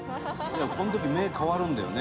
「この時目変わるんだよね」